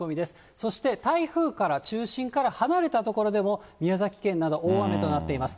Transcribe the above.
そして、台風から、中心から離れた所でも、宮崎県など、大雨となっています。